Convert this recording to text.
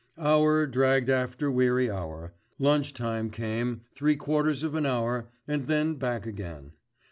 Hour dragged after weary hour, lunch time came, three quarters of an hour, and then back again.